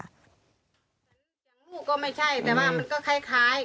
เสียงลูกก็ไม่ใช่แต่ว่ามันก็คล้าย